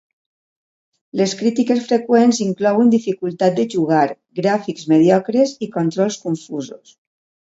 Les crítiques freqüents inclouen dificultat de jugar, gràfics mediocres i controls confusos.